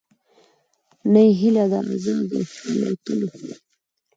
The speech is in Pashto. نه یې هیله د آزادو الوتلو